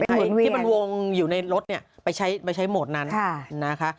ที่มันวงอยู่ในรถไปใช้โหมดนั้นนะคะ